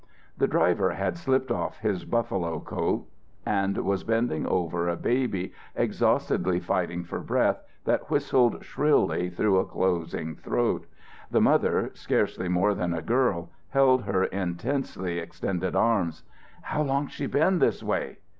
The driver had slipped off his buffalo coat and was bending over a baby exhaustedly fighting for breath that whistled shrilly through a closing throat. The mother, scarcely more than a girl, held her in tensely extended arms. "How long's she been this way?"